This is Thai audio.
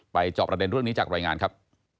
จอบประเด็นเรื่องนี้จากรายงานครับ